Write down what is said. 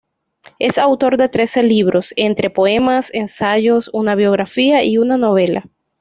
Es autor de trece libros, entre poemas, ensayos, una biografía y una novela.